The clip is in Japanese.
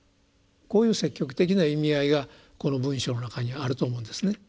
こういう積極的な意味合いがこの文章の中にあると思うんですね。